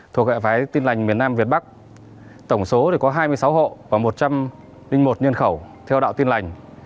thuộc hệ phái tin lành miền nam việt bắc tổng số có hai mươi sáu hộ và một trăm linh một nhân khẩu theo đạo tin lành